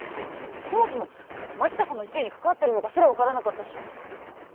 そもそも槙田さんの事件に関わってるのかすらわからなかったし！